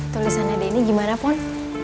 tulisannya denny gimana pohon